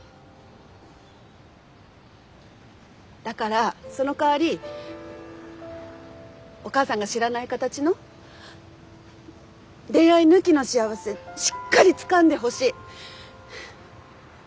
だからそのかわりお母さんが知らない形の恋愛抜きの幸せしっかりつかんでほしい！